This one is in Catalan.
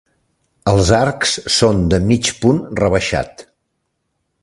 Els arcs són de mig punt rebaixat.